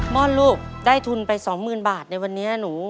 ่อนลูกได้ทุนไป๒๐๐๐บาทในวันนี้หนู